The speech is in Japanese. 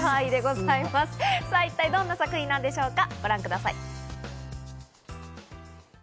では、一体どんな作品なのでしょうか？